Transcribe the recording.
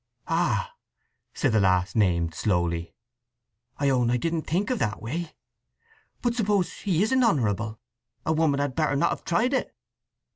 "Ah!" said the last named slowly. "I own I didn't think of that way! … But suppose he isn't honourable? A woman had better not have tried it!"